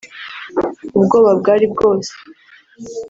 ubwoba bwari bwose